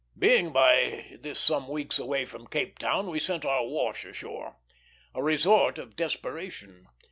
Being by this some weeks away from Cape Town, we sent our wash ashore; a resort of desperation.